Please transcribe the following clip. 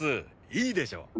いいでしょ？